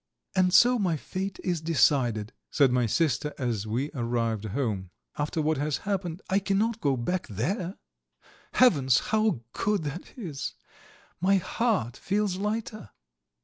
"And so my fate is decided," said my sister, as we arrived home. "After what has happened I cannot go back there. Heavens, how good that is! My heart feels lighter."